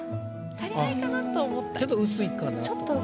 ちょっと薄いかなと。